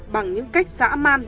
bằng những cách dã man